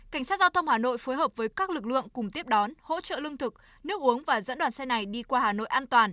cảnh sát giao thông hà nội phối hợp với các lực lượng cùng tiếp đón hỗ trợ lương thực nước uống và dẫn đoàn xe này đi qua hà nội an toàn